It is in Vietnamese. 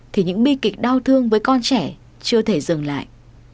thì những bi kịch đau thương với con trẻ chưa thể dừng lại